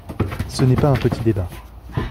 Ce n’est pas un petit débat.